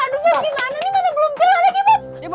aduh bob gimana nih masa belum jalan lagi bob